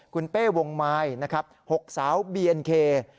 คุณเป้วงไมล์หกสาวบีเอ็นเค